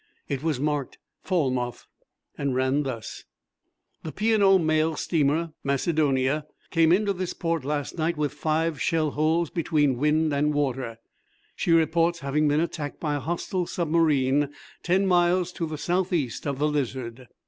It was marked "Falmouth," and ran thus: The P. and O. mail steamer Macedonia came into this port last night with five shell holes between wind and water. She reports having been attacked by a hostile submarine ten miles to the south east of the Lizard.